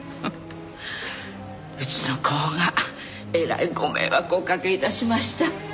うちの子がえらいご迷惑をお掛け致しました。